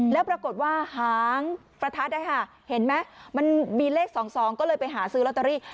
แล้วปรากฏว่าหางประทัดเห็นไหมมันมีเลข๒๒ก็เลยไปหาซื้อลอตเตอรี่